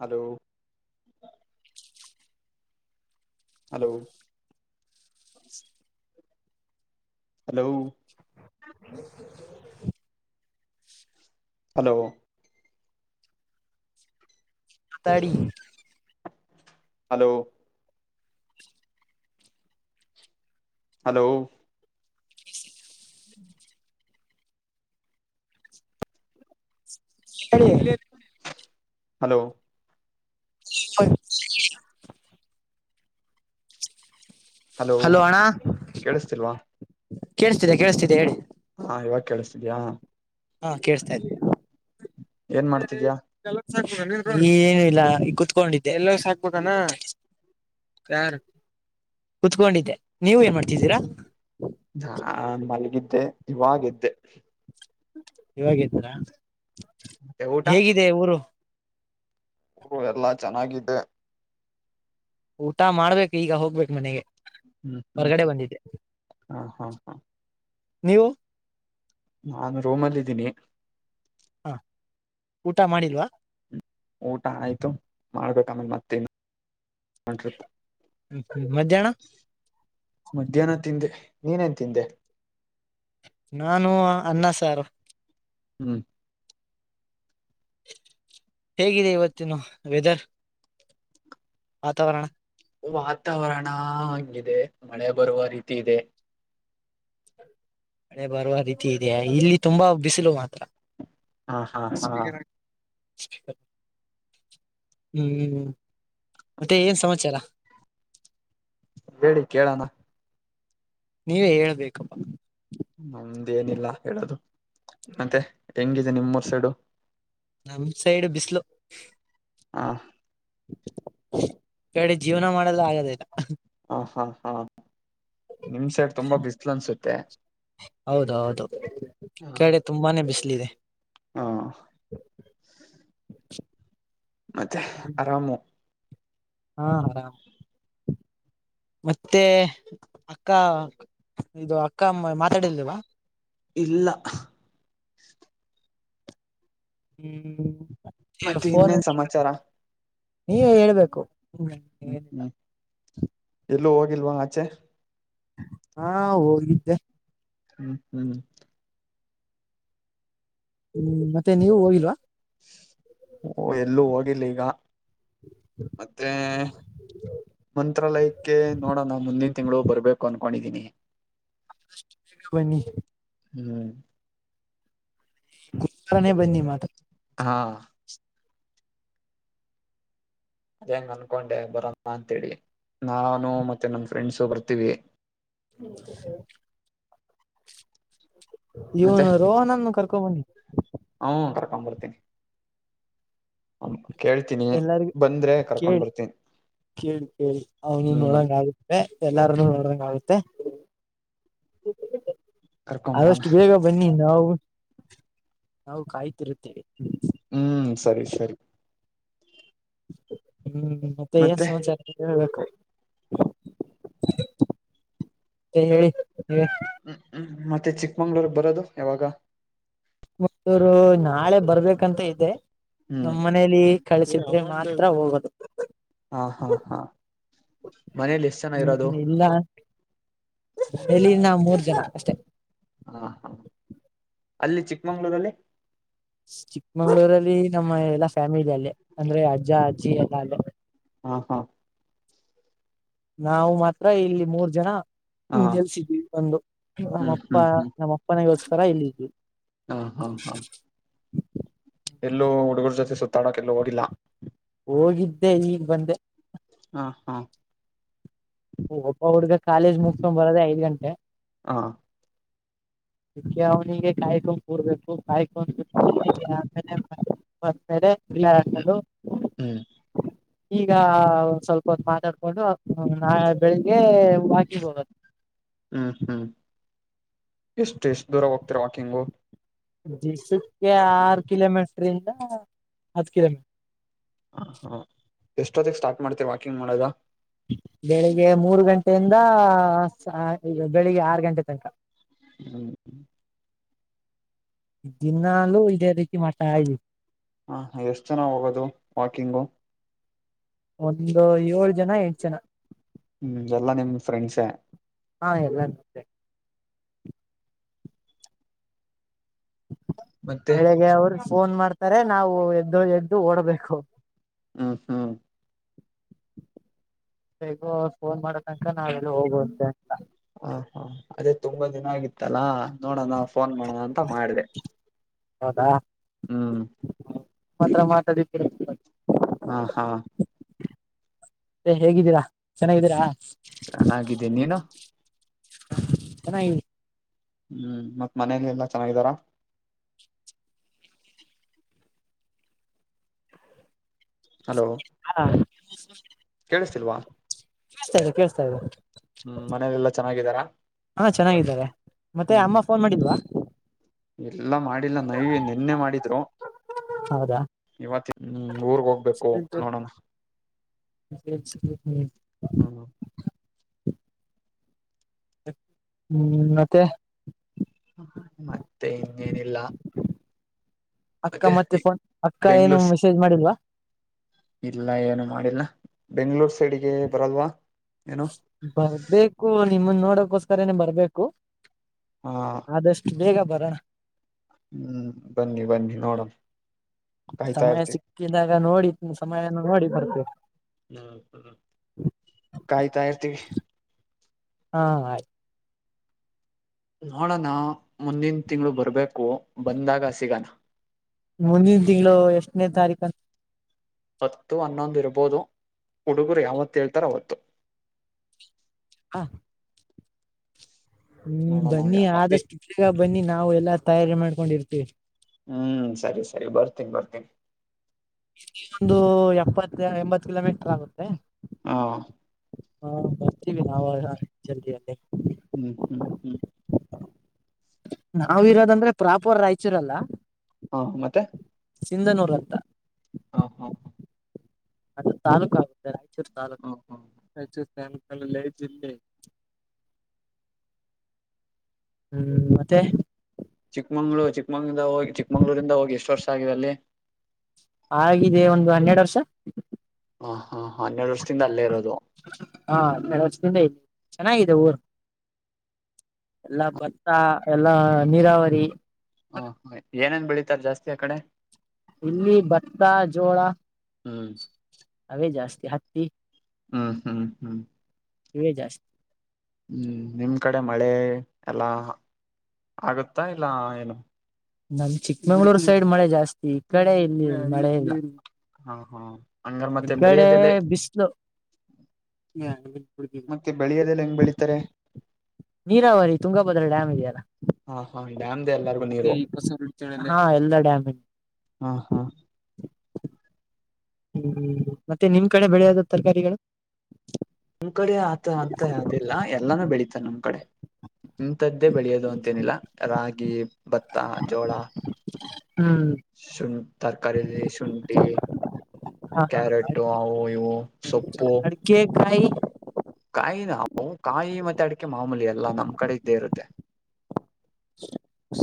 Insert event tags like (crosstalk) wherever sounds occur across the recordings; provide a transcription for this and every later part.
Hello. (inaudible) Hello. Hello. (inaudible) Hello. ಅದರಿ. Hello. Hello. (inaudible) ಹೇಳಿ. Hello. (unintelligible) Hello ಕೇಳಿಸ್ತಿಲ್ವಾ. ಕೆಳಸ್ತಿದೆ ಕೇಳಿಸ್ತಿದೆ ಹೇಳಿ. ಹ್ಮ್ಮ್ ಇವಾಗ ಕೇಳಿಸತ ಇದೀಯಾ. ಹ್ಮ್ಮ್ ಕೆಳಸತಾ ಇದೆ. ಏನ್ ಮಾಡ್ತಿದ್ಯಾ. (unintelligible) ಏನು ಇಲ್ಲ ಈ ಕುೂತ್ಕೊಂಡಿದ್ದೆ ಎಲ್ಲ (unintelligible) ಯಾರು ಕುತ್ಕೊಂಡಿದ್ದೆ ನೀವ ಏನ್ ಮಾಡ್ತಿದ್ದೀರಾ. ನಾನು ಮಲ್ಲಿಗಿದ್ದೆ ಇವಾಗ ಏದೇ. ಇವಾಗಿದ್ದರಾ ಮತ್ತೆ ಹೇಗಿದೆ ಊರು. ಓ ಎಲ್ಲಾ ಚೆನ್ನಾಗಿದ್ದೆ. ಊಟ ಮಾಡ್ಬೇಕು ಈಗ ಹೋಗ್ಬೇಕ್ ಮನೆಗೆ. ಹ್ಮ್ ಹ್ಮ್ ಹೊರಗಡೆ ಹ್ಮ ಬಂದಿದ್ದೆ ಹಾ ಹಾ ಹಾ ನೀವು. ನಾನು ರೂಮಲ್ಲಿ ಇದ್ದೀನಿ ಊಟ ಮಾಡಿಲ್ವಾ. ಊಟ ಆಯ್ತು ಮಾಡಬೇಕು ಆಮೇಲೆ ಮತ್ತೇನ. ಮಧ್ಯಾಹ್ನ ಮಧ್ಯಾಹ್ನ ತಿಂದೆ. ನೀನೆನ ತಿಂದೆ. ನಾನು ಅನ್ನ ಸಾರು. ಹ್ಮ್. ಹೇಗಿದೆ ಇವತ್ತಿನ ವೆದರ್ ವಾತಾವರಣ. ವಾತಾವರಣ ಹಂಗಿದೆ ಮಳೆ ಬರುವ ರೀತಿ ಇದೆ ಮಳೆ ಬರುವ ರೀತಿ ಇದೆಯಾ ಇಲ್ಲಿ ತುಂಬಾ ಬಿಸಿಲು ಮಾತ್ರ ಹಾ ಹಾ ಹಾ (inaudible) ಹ್ಮ್ ಮತ್ತೆ ಏನ್ ಸಮಾಚಾರ ಹೇಳಿ ಕೇಳಣ ನೀವೇ ಹೇಳ್ಬೇಕು ನಮ್ದೇನಿಲ್ಲ ಹೇಳೋದು ಮತ್ತೆ ಹೆಂಗಿದೆ ನಿಮ್ಮೂರ್ ಸೈಡು ನಮ ಸೈಡ್ ಬಿಸ್ಲು ಹಾ ಕಡೆ ಜೀವನ ಮಾಡಲ್ಲ ಆಗೋದಿಲ್ಲ ಹ ಹಾ ಹಾ ನಿಮ್ಸೈಡ್ ತುಂಬಾ ಬಿಸಿಲು ಅನ್ಸುತ್ತೆ ಹೌದೌದು ಕಡೆ ತುಂಬಾನೇ ಬಿಸ್ ಬಿಸಿಲಿದೆ ಹ ಮತ್ತೆ ಅರಾಮು ಹಾ ಆರಾಮ್ ಮತ್ತೆ ಅಕ್ಕ ಇದು ಅಕ್ಕ ಅಮ್ಮ ಮಾತಾಡಿರ್ಲಿಲವ ಇಲ್ಲ ಹ್ಮ್ ಮತ್ತೆ ಇನ್ನೇನ್ ಸಮಾಚಾರ ನೀವೆ ಹೇಳ್ಬೇಕು ಹ್ಮ್ ಹ್ಮ್ ಎಲ್ಲೂ ಹೋಗಿಲ್ವಾ ಆಚೆ ಹಾ ಹೋಗಿದ್ದೆ ಹ್ಮ್ ಹ್ಮ್ ಹ್ಮ್ ಮತ್ತೆ ನೀವು ಹೋಗಿಲ್ವಾ ಓ ಎಲ್ಲೂ ಹೋಗಿರ್ಲಿಲ್ಲ (inaudible) ಮತ್ತೇ ಮಂತ್ರಾಲಯಕ್ಕೆ ನೋಡೋಣ ಮುಂದಿನ ತಿಂಗಳು ಬರ್ಬೇಕು ಅನ್ಕೊಂಡಿದೀನಿ ಬನ್ನಿ ಹ್ಮ್ (unintelligible) ನೇ ಬನ್ನಿ ಮಾತ್ರ ಹಾ ಅದೇ ಹಂಗ್ ಅನ್ಕೊಂಡೆ ಬರಣ ಅಂತೇಳಿ ನಾನು ಮತ್ತೆ ನನ್ ಫ್ರೆಂಡ್ಸು ಬರ್ತೀವಿ ಹ್ಮ (inaudible) ಮತ್ತೆ ಇವನು ರೋಹನನ್ನು ಕರ್ಕೊಬನ್ನಿ ಹಾ ಬರ್ತೀನಿ ಅವ್ನ ಕೇಳ್ತೀನಿ ಎಲ್ಲರಿಗೂ ಬಂದ್ರೆ ಕರ್ಕೊಂಡ್ ಕೇಳಿ ಬರ್ತೀನಿ ಕೇಳಿ ಕೇಳಿ ಅವನು ಹ್ಮ್ ನೋಡಂಗ ಆಗುತ್ತೆ ಎಲ್ಲಾರನು ನೋಡ್ಧಾಂಗಾಗುತ್ತೇ ಕರ್ಕೊಂಬರಾನ ಆದಷ್ಟು ಬೇಗ ಬನ್ನಿ ನಾವು (inaudible) ನಾವು ಕಾಯುತ್ತಿರುತ್ತೇವೆ ಹ್ಮ್ ಸರಿ ಸರಿ ಹ್ಮ್ ಮತ್ತೆ ಏನ್ ಸಮಾಚಾರ ಹೇಳ್ಬೇಕು (unintelligible) ಮತ್ತೆ ಹೇಳಿ ಹ್ಮ್ ಹ್ಮ್ ಮತ್ತೆ ಚಿಕ್ಕಮಂಗ್ಳೂರ್ ಗೆ ಬರೋದು ಯಾವಾಗ ಚಿಕ್ಕಮಗಳೂರು ನಾಳೆ ಬರ್ಬೇಕಂತ ಇದೆ ನಮ್ಮ ಹ್ಮ್ ಮನೇಲಿ ಕಳಿಸಿದ್ರೆ ಮಾತ್ರ ಹೋಗೋದು ಹಾ ಹಾ ಹಾ ಮನೇಲಿ ಎಷ್ಟ ಜನ ಇರೋದು ಹ್ಮ್ ಇಲ್ಲ ಇಲ್ಲಿ ನಾವ್ ಮೂರ್ ಜನ ಅಷ್ಟೆ ಹಾ ಹಾ ಅಲ್ಲಿ ಚಿಕ್ಕಮಂಗ್ಳೂರಲ್ಲಿ ಚಿಕ್ಕಮಂಗ್ಳೂರಲ್ಲಿ ನಮ್ಮ ಎಲ್ಲಾ ಫ್ಯಾಮಿಲಿ ಅಲ್ಲೇ ಅಂದ್ರೆ ಅಜ್ಜ ಅಜ್ಜಿ ಎಲ್ಲ ಅಲ್ಲೆ ಹಾ ಹಾ ನಾವು ಮಾತ್ರ ಇಲ್ಲಿ ಮೂರ್ ಜನ ಹ ಎಲ್ಸಿದ್ವಿ ಒಂದು ಹ್ಮ್ ನಮ್ಮಪ್ಪ ಹ್ಮ್ ನಮ್ಮ ಅಪ್ಪನಗೋಸ್ಕರ ಇಲ್ಲ ಇದ್ವಿ ಹಾ ಹಾ ಹಾ ಎಲ್ಲೋ ಹುಡುಗರ್ ಜೊತೆ ಸುತ್ತಾಡಕ ಎಲ್ಲ ಹೋಗಿಲ್ಲ ಹೋಗಿದ್ದೆ ಈಗ್ ಬಂದೆ ಹಾ ಹಾ (inaudible) ಒಬ್ಬ ಹುಡ್ಗ ಕಾಲೇಜ್ ಮುಗಸ್ಕೊಂಡ್ ಬರೋದೆೇ ಐದ್ ಗಂಟೆ (inaudible) ಹ (inaudible) ಅದಕ್ಕೆ ಅವನಿಗೆ ಕಾಯ್ಕೊಂಡು ಕೂಡ್ಬೇಕು (unintelligible) ಕಾಯ್ಕೊಂಡುೇಲೆ ಬ್ಮೇಲೆ ಲ್ಲರಬೋದು (unintelligible) ಹ್ಮ್ ಈಗ ಒ ಸ್ವಲ್ಪೊ ಮಾತಾಡ್ಕೊಂಡು ನಾೆ ಬೆಳಿಗ್ಗೆ ಬಾಕಿ ಹೋಗದು ಹ್ಮ್ ಹ್ಮ್ ಎಷ್ಟ ಎಷ್ಟ್ ದೂರ ಹೋಗ್ತಿೀರಾ ವಾಕಿಂಗು ದಿಸಕ್ಕೆ ಆರು ಕಿಲೋಮೀಟ್ರಿಂದ ಹತ್ತು ಕಿಲೋಮೀಟರ್ ಹ ಹಾ ಎಷ್ಟೊತ್ತಿಗೆ ಸ್ಟಾರ್ಟ್ ಮಾಡ್ತೀವಿ ವಾಕಿಂಗ್ ಮಾಡದ ಬೆಳಿಗ್ಗೆ ಮೂರು ಗಂಟೆಯಿಂದ ಬೆಳಿಗ್ಗೆ ಆರು ಗಂಟೆ ತನಕ ಹ್ಮ್ ದಿನಾಲೂ ಇದೇರೀತಿ ಮಾಡ್ತೈದಿವಿ ಹಾ ಎಷ್ಟು ಜನ ಹೋಗೋದು ವಾಕಿಂಗು ಒಂದು ಏಳು ಜನ ಎಂಟು ಜನ ಹ್ಮ್ ಎಲ್ಲಾ ನಿಮ್ ಫ್ರೆಂಡ್ಸೆ ಹಾ ಎಲ್ಲ ನಂದೇ (inaudible) ಮತ್ತೆ ಬೆಳಗ್ಗೆ ಅವರು ಫೋನ್ ಮಾಡ್ತಾರೆ ನಾವು ಎದ್ದು ಎದ್ದು ಓಡ್ಬೇಕು ಹ್ಮ ಹ್ಮ (inaudible) ಸಗೋ ಫೋನ್ ಮಾಡ ತನಕ ನಾವೆಲ್ಲ ಹೋಗುವಂತೆ ಹ ಹಾ ಅದೇ ತುಂಬಾ ದಿನ ಆಗಿತ್ತಲ್ಲಾ ನೋಡೋಣ ಫೋನ್ ಮಾಡೋಣ ಅಂತ ಮಾಡಿದೆ ಹೌದಾ ಹ್ಮ್ ಮಾತ್ರ ಮಾತಾಡ ಹಾ ಹಾ ಏ ಹೇಗಿದ್ದೀರಾ ಚೆನ್ನಾಗಿದ್ದೀರಾ ಚೆನ್ನಾಗಿದ್ದೀನಿ ನೀನು ಚ ಹ್ಮ್ ಮತ್ತ್ ಮನೇಲಿ ಎಲ್ಲಾ ಚೆನ್ನಾಗಿದ್ದಾರ ಹಲೋ ಹ ಕಳಸಲ್ವಾ ಕೇಳ್ತಾ ಇ್ದ ಕೇೇಳಸ್ತಾ ಇ್ದದೆ ಮನೇಲೆಲ್ಲಾ ಚೆನ್ನಾಗಿದಾರಾ ಹಾ ಚೆನ್ನಾಗಿದ್ದಾರೆ ಮತ್ತೆ ಹ್ಮ್ ಅಮ್ಮ ಫೋನ್ ಮಾಡಿದ್ವಾ ಎಲ್ಲ ಮಾಡಿಲ್ಲ ನೈ ನಿೆನ್ನೆ ಮಾಡಿದ್ರು ಹೌದಾ ಇವತ್ತ ಹ್ಮ್ ಊರ್ಗ್ ಹೋಗ್ಬೇಕು ನೋಡೋಣ ಹ್ಮ್ ್ಮ ಹ್ಮ್ ಮತ್ತೆ ಮತ್ತೆ ಇನ್ನೇನಿಲ್ಲ ಅಕ್ಕ ಮತ್ತೆ ಫೋನ್ ಅಕ್ಕ ಏನು ಬೆಂಗ್ಳೂರ್ ಮೆಸೇಜ್ ಮಾಡಿಲ್ವಾ ಇಲ್ಲ ಏನು ಮಾಡಿಲ್ಲ ಬೆಂಗ್ಳೂರ್ ಸೈಡ್ಿಗೆ ಬರಲ್ವಾ ಏನು ಬರ್ಬೇಕು ನಿಮ್ಮನ್ ನೋಡಕೋಸ್ಕರ ಏನ ಬರ್ಬೇಕು ಹ್ಮ ಆದಷ್ಟು ಬೇಗ ಬರ ಹ್ಮ್ ಬನ್ನಿ ಬನ್ನಿ ನೋಡೋಣ ಸಮಯ ಸಿಕ್ಕಿದಾಗ ನೋಡಿ ಸಮಯ ನೋಡಿ ಬರ್ಬೇಕ ಹ್ಮ್ ಹ್ಮ್ ಕಾಯ್ತಾ ಇರ್ತೀವಿ ಹಾ ಆಯ್ತು ನೋಡಣ ಮುಂದಿನ ತಿಂಗಗಳು ಬರ್ಬೇಕು ಬಂದಾಗ ಸಿಗಣ ಮುಂದಿನ ತಿಂಗಳು ಎಷ್ಟನೇ ತಾರೀಕು ಹತ್ತು ಹನ್ನೊಂದು ಇರ್ಬೋದು ಹುಡುಗರು ಯಾವತ್ತ ಹೇಳ್ತಾರ ಅವತ್ತು ಹಾ ಹ್ಮ್ ನೋಡೋಣ ಬನ್ನಿ ಆದಷ್ಟುಗ ಬನ್ನಿ ನಾವು ಎಲ್ಲಾ ತಯಾರಿ ಮಾಡ್ಕೊಂಡಿರ್ತೀವಿ ಹ್ಮ್ ಸರಿ ಸರಿ ಬರ್ತೀನಿ ಬರ್ತೀನಿ ಇಲ್ಲಿ ಒಂದು ಎಪ್ಪತ್ತ ಎಂಬತ್ ಕಿಲೋಮೀಟರ್ ಆಗುತ್ತೆ ಹಾ ಹಾ ಬರ್ತೀವಿ ನಾವವು ಜಲ್ದಿಯಲ್ಲಿ ಹ್ಮ್ ಹ್ಮ್ ಹ್ಮ್ ನಾವ ಇರೋದಂದ್ರೆ ಪ್ರಾಪರ್ ರಾಯಚೂರಲ್ಲ ಹಾ ಮತ್ತೆ ಸಿಂಧನೂರಂತ ಹಾ ಹಾ ಅದು ತಾಲೂಕ ಆಗುತ್ತೆ ರಾಯಚೂರು ತಾಲೂಕ್ ಹ ಹ ರಾಯಚೂ ಸ ಅಲ್ಲೇ ಜಿಲ್ಲೆ ಹ್ಮ್ ಮತ್ತೆ ಚಿಕ್ಕಮಂಗ್ಳೂರು ಚಿಕ್ಕಮಂಗ್ಳೂಂದ ಹೋಗಿ ಚಿಕ್ಕಮಂಗ್ಳೂರಿಂದ ಹೋಗಿ ಎಷ್ಟು ವರ್ಷ ಆಗಿದೆ ಅಲ್ಲಿ ಆಗಿದೆ ಒಂದು ಹನ್ನೆರಡು ವರ್ಷ ಹ ಹಾ ಹನ್ನೆರಡು ವರ್ಷದಿಂದ ಅಲ್ಲೇ ಇರೋದು ಹಾ ಚೆನ್ನಾಗಿದೆ ಊರ್ ಎಲ್ಲಾ ಭತ್ತ ಎಲ್ಲಾ ನೀರಾವರಿ ಹ ಏನೇನ್ ಬೆಳಿತಾರ ಜಾಸ್ತಿ ಆ ಕಡೆ ಇಲ್ಲಿ ಭತ್ತ ಜೋಳ ಹ್ಮ್ ಅವೇ ಜಾಸ್ತಿ ಹತ್ತಿ ಹ ಹಾ ಹ್ಮ ನೀ ಜಾಸ್ತಿ ಹ್ಮ್ ನಿಮ್ ಕಡೆ ಮಳೆ ಎಲ್ಲಾ ಆಗುತ್ತಾ ಇಲ್ಲ ಏನು ನಮ ಚಿಕ್ಕಮಂಗ್ಳೂರ್ ಸೈಡ್ ಮಳೆ ಜಾಸ್ತಿ ಈ ಕಡೆ ಇಲ್ಲಿ ಮಳೆ. ಹಾ ಹಾ ಹಂಗಾರ ಮತ್ತೆ ಕಡೆ ಬೆಳಿಯದೆಲ್ಲ. ಬಿಸಿಲು ಹ ಮತ್ತೆ ಬೆಳೆಯೋದೆಲ್ಲ ಹೆಂಗ್ ಬೆಳಿತಾರೆ. ನೀರಾವರಿ ತುಂಗಭದ್ರಾ ಡ್ಯಾಮ್ ಇದೆಯಲ್ಲ. ಹಾ ಹಾ ಡ್ಯಾಮ್ದ ಎಲ್ಲಾರ್ಗು ನೀರು ಹಾ ಎಲ್ಲ ಡಾಮ. ಹಾ ಹಾ. ಮತ್ತೆ ನಿಮ್ ಕಡೆ ಬೆಳೆಯಾದ ತರಕಾರಿಗಳು ನಿಮ್ ಕಡೆ ಆತ ಅಂತ ಅದಿಲ್ಲ ಎಲ್ಲಾನು ಬೆಳೀತಾನ ನಮ್ ಕಡೆ. ಇಂಥದ್ದೇ ಬೆಳೆಯೋದು ಅಂತೇನಿಲ್ಲ ರಾಗಿ ಭತ್ತ ಜೋಳ. ಹ್ಮ್ ಸುನ್ ತರಕಾರಿಯ ಸುನ್ಟಿ. ಹಾ ಹಾ ಕ್ಯಾರೆಟು ಅಡಿಕೆ ಅವು ಇವು ಸೊಪ್ಪು. ಅಡಿಕೆ ಕಾಯಿ ಅ ಮಾಮೂಲಿ ಎಲ್ಲಾ ನಮ್ ಕಡೆ ಇದ್ದೇ ಇರುತ್ತೆ. (unintelligible)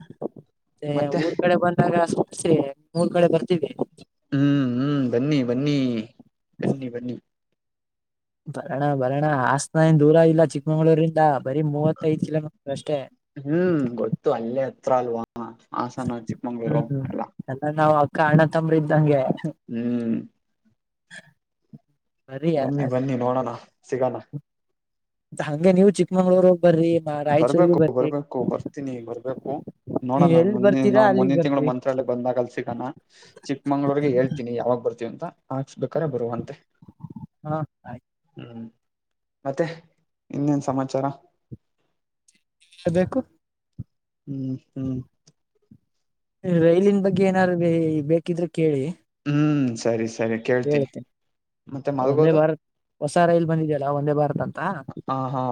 ಮತ್ತೆ ಮತ್ತೆ ಊರ್ ಕಡೆ ಬಂದಾಗಸೆ ಮೂರ್ ಕಡೆ ಬರ್ತೀವಿ. ಹ್ಮ್ ಹ್ಮ್ ಬನ್ನಿ ಬನ್ನಿ ಬನ್ನಿ ಬನ್ನಿ. ಬರೋಣ ಬರೋಣ ಹಸ್ನನ್ ದೂರ ಇಲ್ಲ ಚಿಕ್ಕಮಂಗಗಳೂರಿಂದ. ಬರೀ ಮೂವತ್ತಐದ ಇಲ ಅಷ್ಟೇ. ಹತ್ರಲ್ವಾ ಹಾಸನ ಹ್ಮ್ ಎಲ್ಲ ನಾ್ ಅಕ್ಕ ಅಣ್ಣ ತಂಬ್ರ ಇದ್ದಂಗೆ. ಹ್ಮ್ ಬರೀ ಬನ್ನಿ ಬನ್ನಿ ನೋಡೋಣ ಸಿಗಣ. ಹಂಗೆ ನೀವು ಚಿಕ್ಕಮಂಗ್ಳೂರು. ಬರ್ಬೇಕು ಬರ್ಬೇಕು ಬರ್ತೀನಿ ಬರ್ಬೇಕು ನೀವ್ ನೋಡೋಣ ಎಲ್ ನ ಬರ್ತೀರಾ ಅಲ್ಲಿಗ್ ಮುಂದಿನ ತಿಂಗಳು ಬರ್ತೀವಿ ಮಂತ್ರಾಲ. ಬಂದಾಗಲ್ ಸಿಗಣ ಚಿಕ್ಕಮಂಗಗಳೂರಿಗೆ ಹೇಳ್ತೀನಿ ಯಾವಾಗ ಬರ್ತೀವಿಂತ. ಹಾಕ್ಸ್ಬೇಕಾರೆ ಬರುವಂತೆ ಹಾ ಹ್ಮ್. ಮತ್ತೆ ಇನ್ನೇನ ಸಮಾಚಾರ. ಅಭ್ಯಾಕು ಹ್ಮ ಹ್ಮ. ರೈಲಿನ ಬಗ್ಗೆ ಏನಾರು ಇ ಬೇಕಿಬ್ರು ಕೇಳಿ. ಹ್ಮ ಸರಿ ಸರಿ ಕೇಳ್ತೀನಿ. ಹೇಳ್ತೇನೆ ಮತ್ತೆ ಒಂದೇ ಮಲ್ಗೋದು ಭಾರತ್ ಹೊಸ ರೈಲ್ ಬಂದಿದಿಯಲ್ಲ ಒಂದೇ ಭಾರತ್ ಅಂತ. ಹ ಹಾ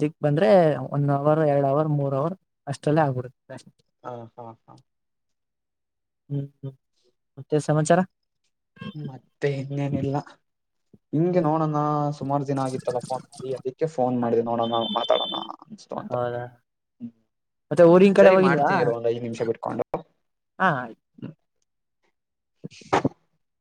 ದಿಕ್ ಬಂದ್ರೆ ಒನ್ ಅವರ್ ಯಾಡ್ ಅವರ್ ಮೂರ್ ಅವರ್ ಅಷ್ಟಲ್ಲೇ ಆಗ್ಬಿಡುತ್ತೆ ಅ. ಹಾ ಹಾ ಹಾ. ಹ್ಮ ಹ್ನು ಮತ್ತೆ ಸಮಾಚಾರ. ಮತ್ತೆ ಇನ್ನೇನಿಲ್ಲ ಹಿಂಗೆ ನೋಡನ ಹಾ ಸುಮಾರ ಜನ ಆಗಿತ್ತಲ್ಲ ಫೋನ್ ಮಾಡಿ ಅದಕ್ಕೆ ಫೋನ್ ಮಾಡಿದೆ ನೋಡೋಣ ಮಾತಾಡೋಣ ಅನ್ತು ಅಂತ. ಹೌದಾ ಹ್ಮ ಮತ್ತೆ ಊರಿನ್ ಕಡೆ ಸರಿ ಹೋಗಿಲ್ವಾ ಮಾಡ್ತೀನಿ ಇರು ಒಂದ್ ಐದ್ ನಿಮಿಷ ಬಿಟ್ಕೊಂಡು. ಹಾ ರಿ. (unintelligible)